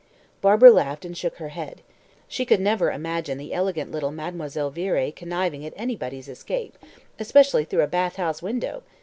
Barbara laughed, and shook her head. She could never imagine the elegant little Mademoiselle Viré conniving at anybody's escape, especially through a bath house window!